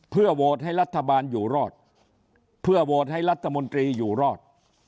เพื่อโหวตให้รัฐบาลอยู่รอดเพื่อโหวตให้รัฐมนตรีอยู่รอด